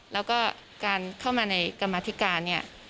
แล้วก็การเข้ามาในกรรมธิการเนี่ย